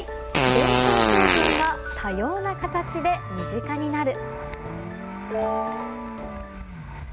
伝統工芸が多様な形で身近になる。